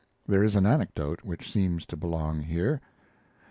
There is an anecdote which seems to belong here.